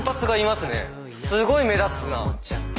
すごい目立つな。